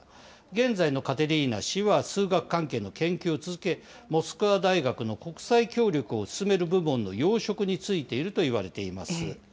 現在のカテリーナ氏は、数学関係の研究を続け、モスクワ大学の国際協力を進める部門の要職に就いているといわれています。